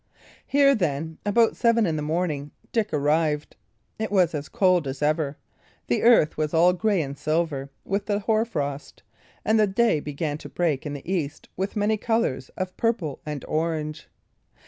Here, then, about seven in the morning, Dick arrived. It was as cold as ever; the earth was all grey and silver with the hoarfrost, and the day began to break in the east with many colours of purple and orange.